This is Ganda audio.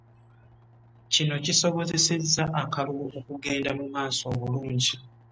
Kino kisobozesezza akalulu okugenda mu maaso obulungi